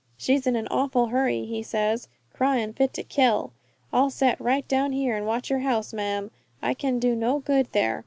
'She's in an awful hurry,' he says, 'cryin' fit to kill. I'll set right down here and watch your house, ma'am; I can do no good there.'